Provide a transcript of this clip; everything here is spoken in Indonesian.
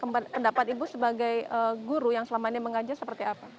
pendapat ibu sebagai guru yang selama ini mengajar seperti apa